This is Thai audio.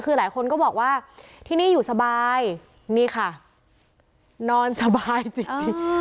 คือหลายคนก็บอกว่าที่นี่อยู่สบายนี่ค่ะนอนสบายจริง